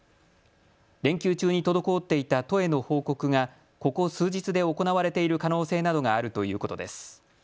連休中に滞っていた都への報告がここ数日で行われている可能性などがあるということです。